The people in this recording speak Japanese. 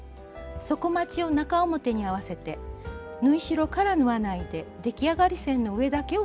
底まちを中表に合わせて縫い代から縫わないで出来上がり線の上だけを縫います。